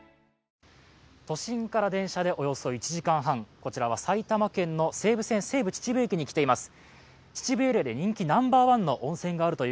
都心から電車でおよそ１時間半、こちらは埼玉県の西武線西武秩父駅に来ています。